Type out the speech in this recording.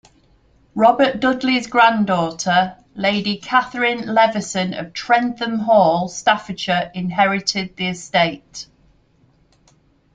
Robert Dudley's granddaughter, Lady Katharine Leveson of Trentham Hall, Staffordshire, inherited the estate.